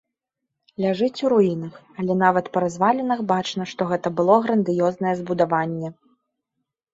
Ляжыць у руінах, але нават па развалінах бачна, што гэта было грандыёзнае збудаванне.